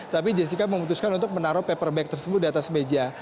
tapi jessica memutuskan untuk menaruh paper bag tersebut di atas meja